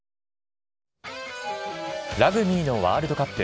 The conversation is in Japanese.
ラグビーのワールドカップ。